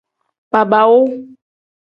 Baabaawu.